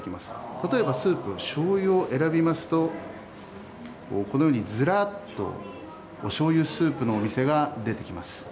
例えばスープしょうゆを選びますとこのようにずらっとしょうゆスープのお店が出てきます。